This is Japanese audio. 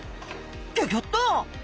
ギョギョッと！